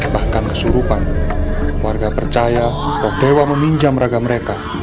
bahkan kesurupan warga percaya rok dewa meminjam raga mereka